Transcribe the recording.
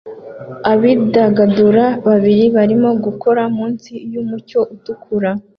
Abidagadura babiri barimo gukora munsi yumucyo utukura